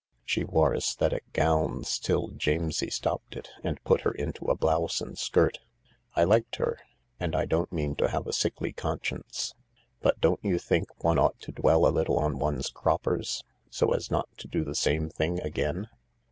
She wore aesthetic gowns till Jamesie stopped it and put her into a blouse and skirt. I liked her — and I don't mean to have a sickly conscience. But don't you think one ought to dwell a little on one's croppers, so as not to do the same thing again